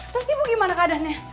terus ibu gimana keadaannya